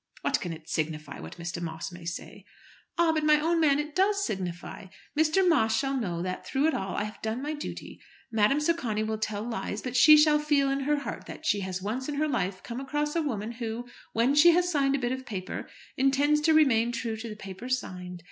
"What can it signify what Mr. Moss may say?" "Ah! but my own man, it does signify. Mr. Moss shall know that through it all I have done my duty. Madame Socani will tell lies, but she shall feel in her heart that she has once in her life come across a woman who, when she has signed a bit of paper, intends to remain true to the paper signed.